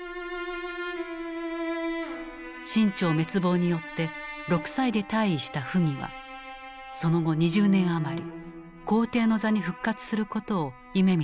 清朝滅亡によって６歳で退位した溥儀はその後２０年余り皇帝の座に復活することを夢みてきた。